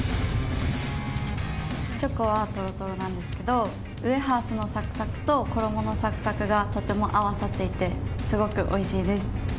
チョコはトロトロなんですけどウエハースのサクサクと衣のサクサクがとても合わさっていてすごくおいしいです。